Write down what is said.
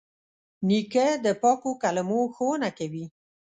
نیکه د پاکو کلمو ښوونه کوي.